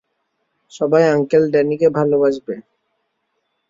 সবাই আঙ্কেল ড্যানিকে ভালোবাসবে।